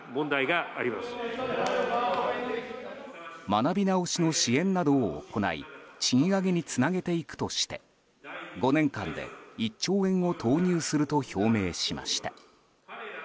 学び直しの支援などを行い賃上げにつなげていくとして５年間で１兆円を投入すると表明しました。